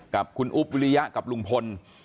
กับคุณอุ๊บวิริยะกับลุงพล